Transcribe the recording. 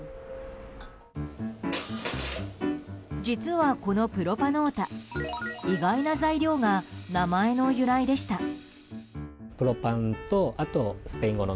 実は、このプロパノータ意外な材料が名前の由来でした。